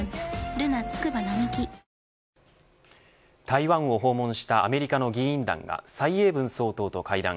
台湾を訪問したアメリカの議員団が蔡英文総統と会談。